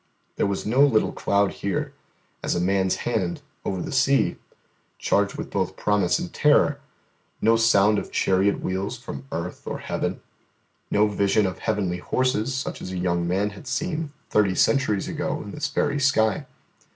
There was no little cloud here, as a man's hand, over the sea, charged with both promise and terror; no sound of chariot wheels from earth or heaven, no vision of heavenly horses such as a young man had seen thirty centuries ago in this very sky.